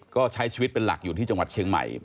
ก็ใช้ชีวิตเป็นหลักอยู่ที่จังหวัดเชียงใหม่